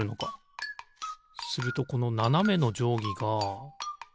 するとこのななめのじょうぎが。